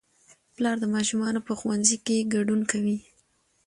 پلار د ماشومانو په ښوونځي کې ګډون کوي